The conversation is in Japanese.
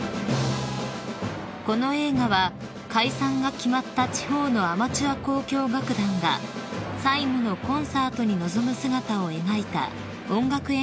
［この映画は解散が決まった地方のアマチュア交響楽団が最後のコンサートに臨む姿を描いた音楽エンターテインメントです］